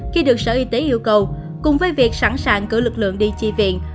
khi được sở y tế yêu cầu cùng với việc sẵn sàng cử lực lượng đi chi viện